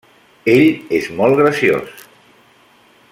Ell és molt graciós.